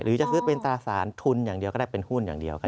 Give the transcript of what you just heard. หรือจะซื้อเป็นตราสารทุนอย่างเดียวก็ได้เป็นหุ้นอย่างเดียว